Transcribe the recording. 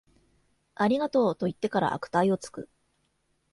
ありがとう、と言ってから悪態をつく